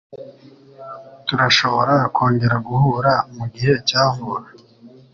Turashobora kongera guhura mugihe cya vuba.